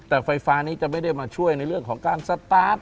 แต่ไฟฟ้านี้จะไม่ได้มาช่วยในเรื่องของการสตาร์ท